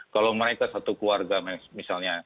kalau mereka satu keluarga misalnya